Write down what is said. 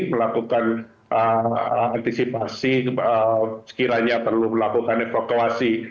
melakukan antisipasi sekiranya perlu melakukan evakuasi